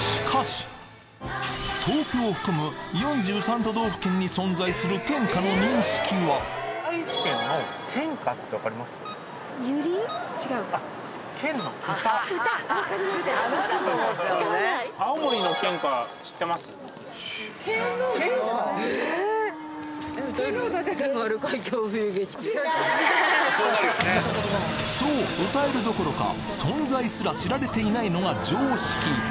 東京を含む４３都道府県に存在する県歌の認識はそう歌えるどころか存在すら知られていないのが常識！